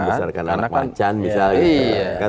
membesarkan anak pancan misalnya